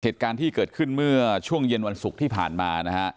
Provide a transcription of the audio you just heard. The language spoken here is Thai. เหตุการณ์ที่เกิดขึ้นเมื่อช่วงเย็นวันศุกร์ที่ผ่านมานะฮะ